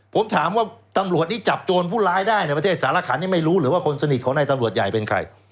ผมถามว่าตำรวจนี้จับโจรผู้ร้ายได้ในประเทศสารขันนี่ไม่รู้หรือว่าคนสนิทของนายตำรวจใหญ่เป็นใคร